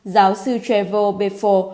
giáo sư trevor biffle